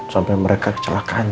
sampai mereka kecelakaan